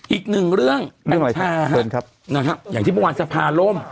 อีก๑เรื่องกรรชาอย่างที่เมื่อวานสภาลม